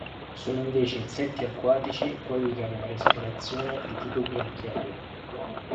Sono invece Insetti acquatici quelli che hanno una respirazione di tipo branchiale.